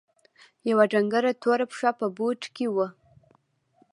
يوه ډنګره توره پښه په بوټ کښې وه.